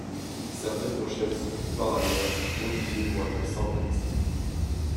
Certaines pochettes sont, par ailleurs, modifiées pour être sans texte.